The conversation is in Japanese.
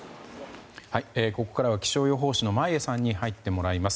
ここからは気象予報士の眞家さんに入ってもらいます。